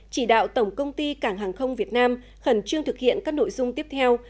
chỉ đạo tổng công ty cảng hàng không việt nam khẩn trương thực hiện các nội dung tiếp theo